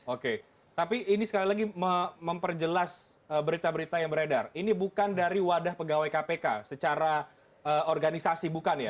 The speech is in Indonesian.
oke tapi ini sekali lagi memperjelas berita berita yang beredar ini bukan dari wadah pegawai kpk secara organisasi bukan ya